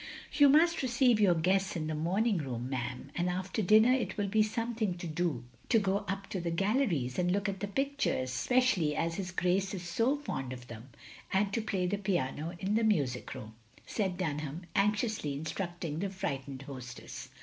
"You must receive your guests in the morning room, noa'am, and after dinner it will be some OF GROSVENOR SQUARE 211 thing to do to go up to the galleries and look at the picttires, especially as his Grace is so fond of them; and to play the piano in the music room, " said Dunham, anxiously instructing the fright ened hostess.